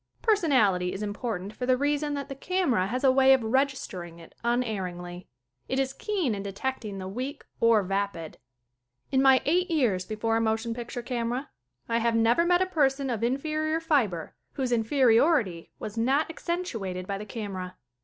Personality is important for the reason that the camera has a way of registering it un erringly. It is keen in detecting the weak or vapid. 36 SCREEN ACTING In my eight years before a motion picture camera I have never met a person of inferior fibre whose inferiority was not accentuated by the camera.